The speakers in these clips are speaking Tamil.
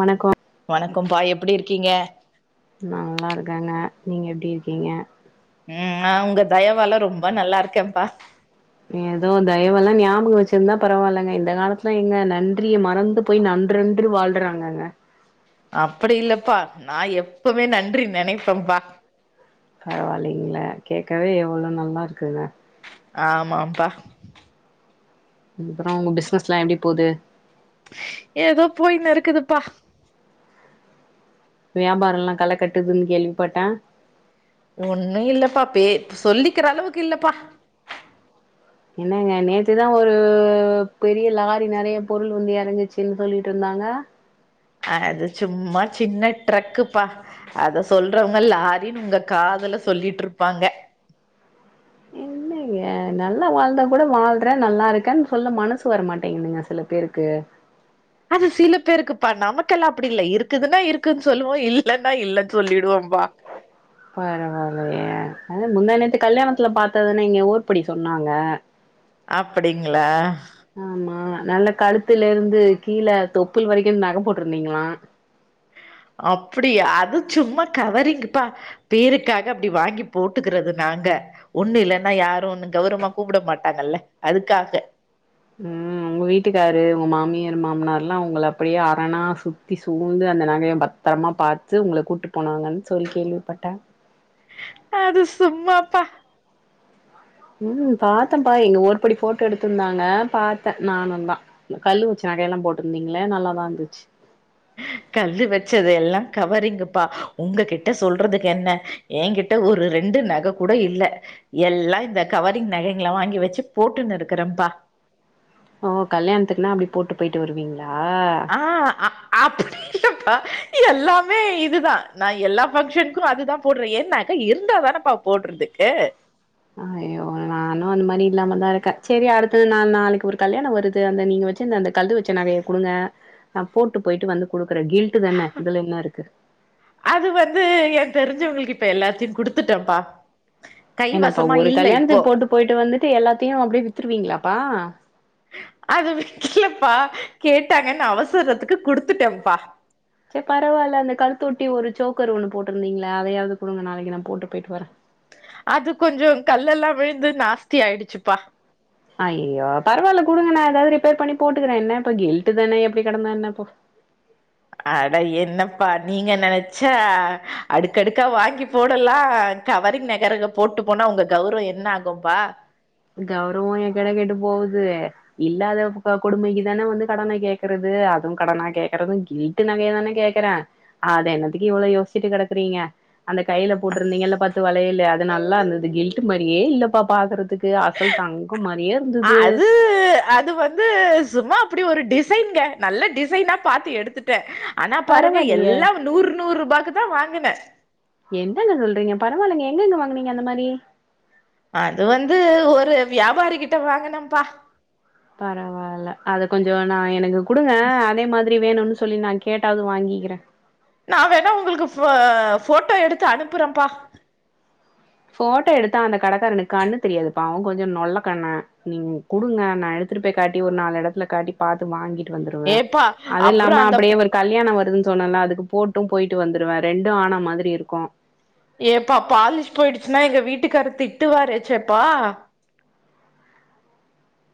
வணக்கோ வணக்கம் பா எப்டி இருக்கீங்க நல்லா இருக்கங்க நீங்க எப்டி இருக்கீங்க உம் நா உங்க தயவால ரொம்ப நல்லா இருக்கேப்பா ஏதோ தயவெல்லா ஞாபகம் வச்சிருந்தா பரவாலங்க இந்த காலத்துல எங்க நன்றியை மறந்து போய் நன்றன்று வாழ்றாங்கக அப்டி இல்லப்பா நா எப்பமே நன்றி நெனைப்பேப்பா பரவாயில்லைங்களே கேக்கவே எவ்ளோ நல்லா இருக்குங்க ஆமாம்பா அப்றோ உங்க பிசினஸ்லா எப்டி போது ஏதோ போயின்னு இருக்குதுபா வியாபாரோலா கல கட்டுதுன்னு கேள்விபட்டே ஒன்னு இல்லப்பா பே சொல்லிக்கிற அளவுக்கு இல்லப்பா என்னங்க நேத்துதா ஒரு பெரிய லாரி நெறைய பொருள் வந்து எறங்குச்சுன்னு சொல்லிட்ருந்தாங்க அது சும்மா சின்ன ட்ரக்குப்பா அத சொல்றவங்க லாரின்னு உங்க காதுல சொல்லிட்ருப்பாங்க என்னங்க நல்லா வாழ்ந்தா கூட வாழ்றே நல்லா இருக்கேன்னு சொல்ல மனசு வரமாட்டேங்குதுக சில பேருக்கு அது சில பேருக்குப்பா நமக்கெல்லா அப்டி இல்ல இருக்குதுன்னா இருக்குன்னு சொல்லுவோ இல்லன்னா இல்லன்னு சொல்லிடுவோம்பா பரவாயில்லையே அதா முந்தா நேத்து கல்யாணத்துல பாத்துன்னு இங்க ஊர் படி சொன்னாங்க அப்டிங்ளா ஆமா நல்ல கழுத்துல இருந்து கீழே தொப்புல் வரைக்கு நக போட்ருந்தீங்களா அப்டிய அது சும்மா கவரிங்ப்பா பேருக்காக அப்டி வாங்கி போட்டுக்கறது நாங்க ஒன்னு இல்லன்னா யாரு ஒன்னு கௌரவமா கூப்ட மாட்டாங்கல்ல அதுக்காக உம் உங்க வீட்டுக்காரு உங்க மாமியார் மாமனார்லா உங்கள அப்டியே அரணா சுத்தி சூழ்ந்து அந்த நகைய பத்தரமா பாத்து உங்கள கூட்டு போனாங்கன்னு சொல்லி கேள்விபட்டே அது சும்மாப்பா உம் பாத்தேப்பா எங்க ஒரபடி போட்டோ எடுத்துருந்தாங்க பாத்தே நானு தா கல்லு வச்ச நகையெல்லா போட்ருந்தீங்கள நல்லாதா இருந்துச்சி கல்லு வச்சது எல்லா கவரிங்குப்பா உங்ககிட்ட சொல்றதுக்கு என்ன என்கிட்ட ஒரு ரெண்டு நக கூட இல்ல எல்லா இந்த கவரிங் நகைங்கள வாங்கி வச்சு போட்டுன்னு இருக்கறேபா ஓ கல்யாணத்துக்குன்னா அப்டி போட்டு பொயிட்டு வருவீங்க ஆஹ் அப்டி எப்பா எல்லாமே இதுதா நா எல்லா பங்க்ஷனுக்கு அதுதா போடுறே ஏன் நக இருந்தாதானேப்பா போடுறதுக்கு அய்யோ நானு அந்த மாரி இல்லாம தா இருக்கே சரி அடுத்த நா நாளைக்கு ஒரு கல்யாணோ வருது அந்த நீங்க வச்சுந்த அந்த கல்லு வச்ச நகைய குடுங்க நா போட்டு பொயிட்டு வந்து குடுக்குறே கில் அது வந்து ஏ தெரிஞ்சவங்களு இப்ப எல்லாத்தையு குடுத்துட்டேப்பா என்னப்பா ஒரு கல்யாணத்துக்கு போட்டு பொயிட்டு வந்துட்டு எல்லாத்தையு அப்டியே வித்துருவீங்களாப்பா அது விக்கலப்பா கேட்டாங்கன்னு அவசரத்துக்கு குடுத்துட்டேப்பா சேர் பரவால அந்த கழுத்த ஒட்டி ஒரு சோக்கரு ஒன்னு போட்ருந்தீங்களே அதையாவது குடுங்க நாளைக்கு நா போட்டு பொயிட்டு வரே அது கொஞ்ஜோம் கல்லெல்லா விழுந்து நாஸ்தி ஆயிடுச்சுப்பா அய்யோ பரவாயில்ல குடுங்க நா ஏதாது ரிப்பேர் பண்ணி போட்டுகிறே என்ன இப்ப கில்ட்டு தானே எப்டி கெடந்தா என்ன போ அட என்னப்பா நீங்க நெனச்சா அடுக்கடுக்கா வாங்கி போடலா கவரிங் நகரங்க போட்டு போனா உங்க கௌரவோ என்ன ஆகும்பா கௌரவோ எக்கேடோ கெட்டு போவுது இல்லாத கொடுமைக்கு தானே வந்து கடன கேக்றது அதுவு கடனா கேக்றது கில்ட்டு நகைய தானே கேக்றே அத என்னத்துக்கு இவ்ளோ யோசிச்சுட்டு கெடக்குறீங்க அந்த கையில போட்ருந்தீங்கலா பத்து வலையலு நல்லா இருந்தது கில்ட் மாரியே இல்லப்பா பாக்கறதுக்கு அது அது வந்து சும்மா அப்படி ஒரு டிஸ் சைன்ங்க நல்ல டிசைனா பாத்து எடுத்துட்டேன் ஆனா பாருங்க பரவாயில்லயே எல்லாம் நூறு நூறு பாக்கு தான் வாங்குனன் என்னங்க சொல்றீங்க பரவாலிங்க எங்கங்க வாங்குனீங்க அந்த மாரி அது வந்து ஒரு வியாபாரி கிட்ட வாங்கினம்ப்பா பரவாயில்ல அதை கொஞ்சம் நா எனக்கு கொடுங்க அதே மாதிரி வேணும்னு சொல்லி நான் கேட்டாவது வாங்கிக்கிறேன் நான் வேணா உங்களுக்கு போட்டோ எடுத்து அனுப்புறேன்ப்பா போட்டோ எடுத்தா அந்த கடைக்காரனுக்கு கண்ணு தெரியாது பாவம் கொஞ்சம் நொல்ல கண்ணு நீங்க கொடுங்க நான் எடுத்துட்டு போய் காட்டி ஒரு நாலு இடத்துல காட்டி பாத்து வாங்கி டு வந்துருவேன் ஏப்பா அது அப்புறோ இல்லாம அந்த அப்படியே ஒரு கல்யாணம் வருது சொன்னல அதுக்கு போட்டும் போயிட்டு வந்துருவேன் ரெண்டும் ஆன மாதிரி இருக்கும் ஏப்பா பாலிஷ் போயிடுச்சுன்னா எங்க வீட்டுக்காரு திட்டு வாரேச்சேப்பா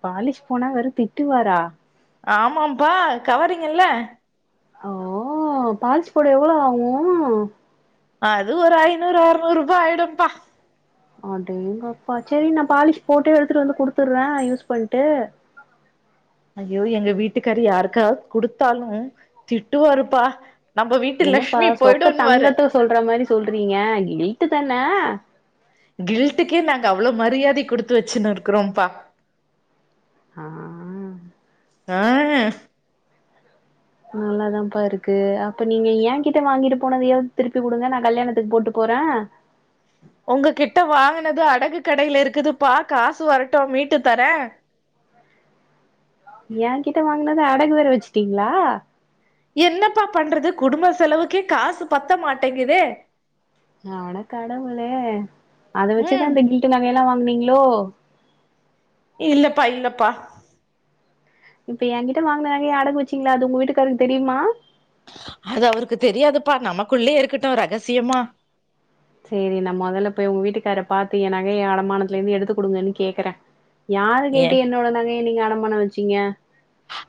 பாலிஷ் போனா வெறும் திட்டுவாரா ஆமாம்பா கவறிங்கல ஓ பாலீஸ் போட எவ்வளவு ஆகும் அது ஒரு ஐநூறு அறுநூறு ரூபாய் ஆயிடும்பா அடேங்கப்பா சரி நான் பாலிஷ் போட்டே எடுத்துட்டு வந்து குடுத்துடுறேன் யூஸ் பண்ட்டு ஐயோ எங்க வீட்டுக்கார் யாருக்கா கொடுத்தாலும் திட்டுவருப்பா என்னப்பா சொக்க தங்கத்தை சொல்ற மாரி சொல்றீங்க கிழ்ட்டு தான கில்ட்டுக்கே நாங்க அவ்ளோ மரியாதி கொடுத்து வச்சுன்னு இருக்கிறோம்பா ஆஹ் ஆஹ் நல்லாதான்ப்பா இருக்கு அப்ப நீங்க ஏன் கிட்ட வாங்கிட்டு போனதையாவது திருப்பி கொடுங்க நான் கல்யாணத்துக்கு போட்டு போறேன் உங்க கிட்ட வாங்கினது அடகு கடையில இருக்குதுப்பா காசு வரட்டும் மீட்டு தரேன் ஏன் கிட்ட வாங்கினத அடகு வேற வச்சுட்டீங்களா என்னப்பா பண்றது குடும்ப செலவுக்கே காசு பத்த மாட்டேங்குதே அட கடவுளே அதை வச்சுதான் ம் இந்த கில்ட்டு நகைலாம் வாங்குனீங்க ஹலோ இல்லப்பா இல்லப்பா இப்ப என்கிட்ட வாங்கின நகைய அடகு வச்சீங்கள அது உங்க வீட்டுக்காரருக்கு தெரியுமா அது அவருக்கு தெரியாதுப்பா நமக்குள்ளயே இருக்கட்டும் ரகசியமா சரி நான் முதல்ல போய் உங்க வீட்டுக்கார பா்த்து என் நகைய அடமானத்துல இருந்து எடுத்து கொடுங்கன்னு கேக்குறேன் யாரு ஏ கேட்டு என்னோட நகையை நீங்க அடமானம் வச்சு சிங்க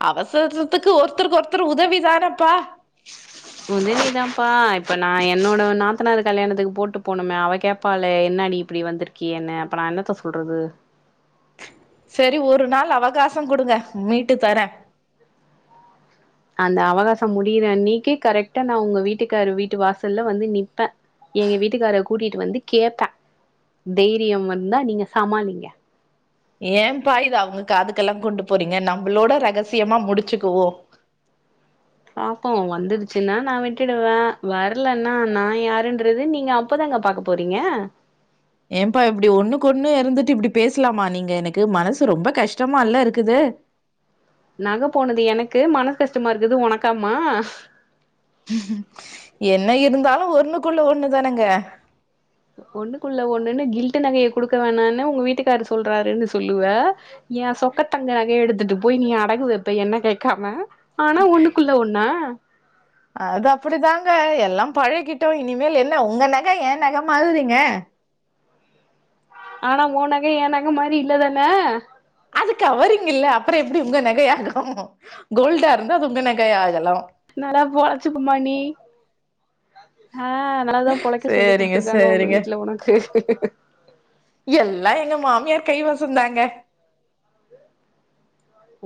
அவசரத்துக்கு ஒருத்தருக்கு ஒருத்தர் உதவி தானப்பா உதவிதான்ப்பா இப்ப நான் என்னோட நாத்தனார் கல்யாணத்துக்கு போட்டு போனுமே அவ கேட்பாலே என்னாண்ணி இப்படி வந்திருக்கியேன்னு அப்ப நான் என்னத்த சொல்றது சரி ஒரு நாள் அவகாசம் கொடுங்க மீட்டு தரேன் அந்த அவகாசம் முடிற அன்னிக்கு கரெக்டா நான் உங்க வீட்டுக்கார் வீட்டு வாசல்ல வந்து நிப்பன் எங்க வீட்டுக்கார கூட்டிட்டு வந்து கேட்பேன் தைரியம் வந்தா நீங்க சமாளிங்க ஏன்ப்பா இதா அவங்க காதுக்கெல்லா கொண்டு போறீங்க நம்மளோட ரகசியமா முடிச்சுக்குவோ பாப்போ வந்துடுச்சுன்னா நா விட்டுடுவே வரலன்னா நா யாருன்றது நீங்க அப்ப தாங்க பாக்க போறீங்க ஏன்ப்பா இப்டி ஒண்ணுக்கு ஒண்ணு இருந்துட்டு இப்டி பேசலாமா நீங்க, எனக்கு மனசு ரொம்ப கஷ்டமா இல்ல இருக்குது நகை போனது எனக்கு மனசு கஷ்டமா இருக்றது உனக்காமா என்ன இருந்தாலு ஒண்ணுக்குள்ள ஒண்ணுதானங்க ஒண்ணுக்குள்ள ஒண்ணுன்னு கில்ட்டு நகைய குடுக்க வேணான்னு உங்க வீட்டுக்காரு சொல்றாருன்னு சொல்லுவ, எ சொக்கத்தங்க நகைய எடுத்துட்டு போய் நீ அடகு வைப்ப என்ன கேக்காம ஆனா ஒண்ணுக்குள்ள ஒண்ணா அது அப்டிதாங்க, எல்லா பழைக்கிட்டோ இனிமேல் என்ன உங்க நகை எ நகை மாதிரிங்க ஆனா உ நகை எ நகை மாரி இல்லதான அது கவரிங் இல்ல அப்பறோ எப்டி உங்க நகையாகு கோல்டா இருந்தா அது உங்க நகையா இதெல்லா நல்லா பொழச்சிப்பமா நீ ஆ, நல்லாதா பொழைக்க சொல்லி சரிங்க குடுத்துருக்காங்க உங்க சரிங்க வீட்ல உனக்கு கைவசம் தாங்க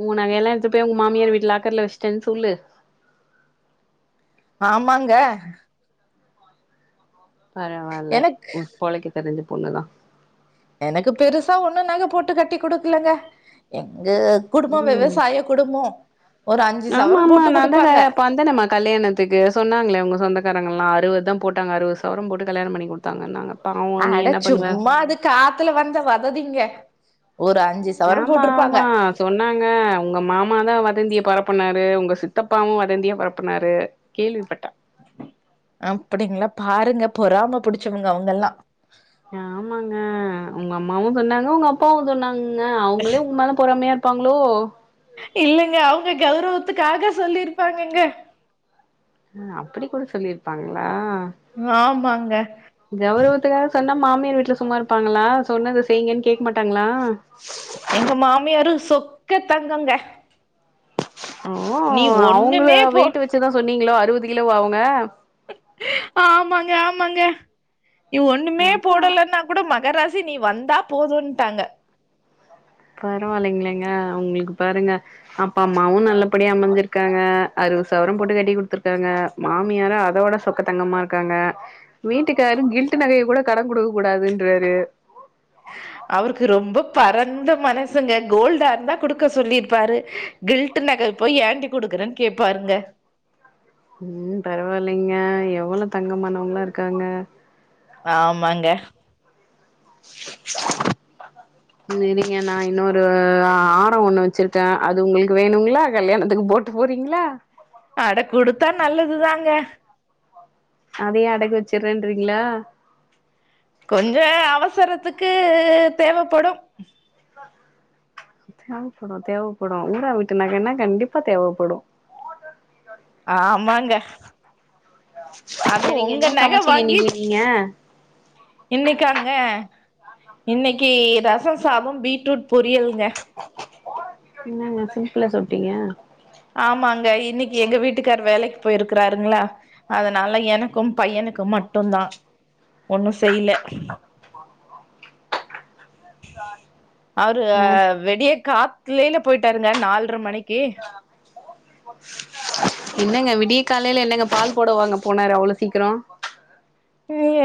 உ நகை எல்லா எடுத்துட்டுபோயி உங்க மாமியார் வீட்டு லாக்கர்ல வச்சிட்டேன்னு சொல்லு ஆமாங்க பரவால்ல எனக்கு உ பொழைக்க தெரிஞ்ச பொண்ணுதா எனக்கு பெருசா ஒண்ணு நகை போட்டு கட்டி குடுக்கலங்க எங் ம், ஒரு அஞ்சு ஆமா சவரம் ஆமா போட்டு நான்தா க குடுப்பாங்க வந்தனேம்மா கல்யாணத்துக்கு சொன்னாங்களே உங்க சொந்தக்காரங்கல்லா அறுவது தா போட்டாங்க அறுவது சவரம் போட்டு கல்யாணம் பண்ணி குடுத்தாங்கன்னாங்க பாவோ நீ அட என்ன பண்ணுவ சும்மா அது காத்துல வந்த வததிங்க ஒரு அஞ்சு சவரம் ஆமா போட்டிருப்பாங்க ஆமா சொன்னாங்க உங்க மாமாதா வதந்திய பரப் ப்புனாரு உங்க சித்தப்பாவு வதந்திய பரப்பனாரு கேள்விப்பட்ட அப்டிங்களா பாருங்க பொறாம புடிச்சவங்க அவங்கல்லா ஆமாங்க உங்க அம்மாவு சொன்னாங்க உங்க அப்பாவு சொன்னாங் ங்க அவங்களே உங்க மேல பொறமையா இப்பாங்களோ இல்லங்க அவங்க கௌரவத்துக்காக சொல்லிருப்பாங்கங்க அ அப்படி கூட சொல்லிருப்பாங்களா ஆமாங்க கௌரவத்துக்காக சொன்னா மாமியார் வீட்ல சும்மா இருப்பாங்களா சொன்னது செய்ங்கன்னு கேக்க மாட்டாங்களா எங்க மாமியாரு சொக்க தங்கங்க ஓ நீ அவங்கள ஒண்ணுமே போ வெயிட்டு வெச்சுதா சொன்னீங்களோ அறுவ து கிலோவா அவுங்க ஆமாங்க ஆமாங்க நீ ஒண்ணுமே அதா போடலன்னா கூட மகராசி நீ வந்தா போதுட்டாங்க பரவாயில்லைங்களங்க உங்களுக்கு பாருங்க அப்பா அம்மாவும் நல்லபடிய அமைஞ்சிருக்காங்க அறுவது சவரம் போட்டு கட்டி குடுத்துருக்காங்க மாமியாரு அதோட சொக்க தங்கமா இருக்காங்க வீட்டுக்காறறு கில்ட் நகைய கூட கடன் கொடுக்க கூடாதுன்றாரு அவருக்கு ரொம்ப பரந் ந்த மனசுங்க கோல்டா இருந்த கொடுக்க சொல்லிருப்பாரு கில்ட நகை போய் ஏண்டி கொடுக்குறன்னு கேப்பாருங்க உம் பரவாயில்லைங்க எவ்ளவு தங்கமானவங்கலா இருக்காங்க ஆமாங்க இரிங்க நா இன்னொரு ஆர ஒண்ணு வச்சிருக்கே அது உங்களுக்கு வேணுங்களா கல்யாணத்துக்கு போட்டு போறீங்களா அட கொடுத்தா நல்லதுதாங்க அதையு அடக்கு வச்சறேன்றிங்களா கொஞ்ச அவசரத்துக்கு தேவப்படு தேவப்படு தேவப்படு ஊரா வீட்டு நக னா கண்டிப்பா தேவப்படு ஆமாங்க அதுவு செரிங்க உங்க என்ன நக சமச்சீங்க வாங்கி இன்னைக்கு நீங்க இருக்காங்க இன்னைக்கு ரச சாத பீட்ரூட் பொரியல்ங்க என்னங்க சிம்பிள சொல்டீங்க ஆமாங்க இன்னைக்கு எங்க வீட்டுக்கார் வேலைக்கு போயிருக்கிறாருங்களா அதனால எனக்கு பையனுக்கு மட்டுந்தா ஒண்ணு செய்யல அவரு வெடியே கா கிளையில போயிட்டாருங்க நால்ர மணி என்னங்க விடிய காலையில என்னங்க பால் போடவாங்க போனாரு அவ்ளோ சீக்கிரோ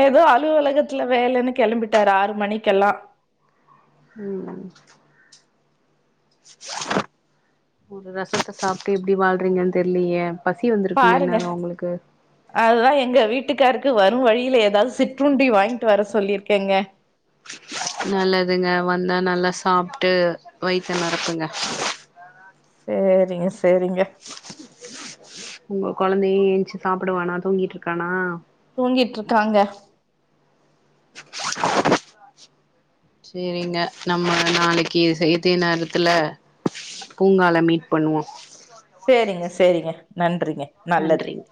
ஏதோ அலுவலகத்துல வேலைன்னு கெளம்பிட்டாரு ஆறு மணிக்கெல்லா உம் ஒரு ரசத்த சாப்ட்டு எப்டி வாழ்றீங்கன் தெர்லயே பசி வந்திருக்குமே பாருங்க இந்நேரோ உங்களுக்கு அதுதா எங்க வீட்டுக்காருக்கு வரு வரு வழியில ஏதாது சிற்றுண்டி வாங்கிட்டு வர சொல்லியிருக்கேங்க நல்லதுங்க வந்தா நல்லா சாப்ட்டு வைத்த நெரப்புங்க சேரிங்க செரிங்க உங்க குழந்தையு ஏஞ்சி சாப்பிடுவானா தூங்கிட்டு இருக்கானா தூங்கிட்ருக்காங்க செரிங்க நம்ம நாளைக்கு செய்த்தி நேரத்துல பூங்கால மீட் பண்ணுவோ சேரிங்கஸ் செரிங்க நன்றிங்க நல்லது நன்றிங்க